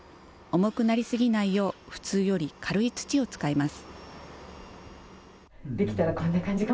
重くなりすぎないよう、普通より軽い土を使います。